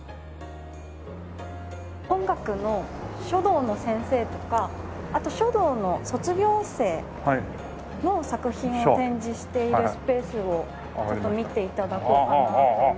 本学の書道の先生とかあと書道の卒業生の作品を展示しているスペースをちょっと見て頂こうかなと思ってまして。